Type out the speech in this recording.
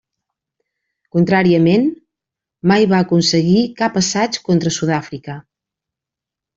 Contràriament, mai va aconseguir cap assaig contra Sud-àfrica.